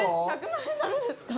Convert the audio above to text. １００万円ダメですか。